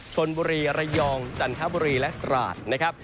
ชนบุรีระยองจันทบุรีและตราดนะครับ